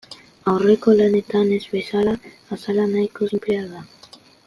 Aurreko lanetan ez bezala, azala nahiko sinplea da.